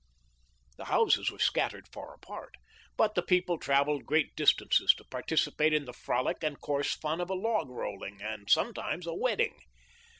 The houses were scattered far apart, but the people travelled great distances to participate in the frolic and coarse fun of a log rolling and some times a wedding.